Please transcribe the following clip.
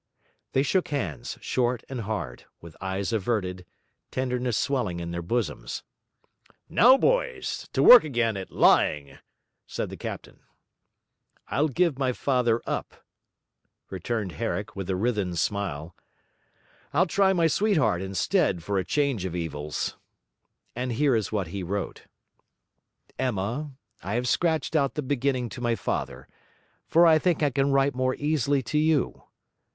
They shook hands, short and hard, with eyes averted, tenderness swelling in their bosoms. 'Now, boys! to work again at lying!' said the captain. 'I'll give my father up,' returned Herrick with a writhen smile. 'I'll try my sweetheart instead for a change of evils.' And here is what he wrote: 'Emma, I have scratched out the beginning to my father, for I think I can write more easily to you.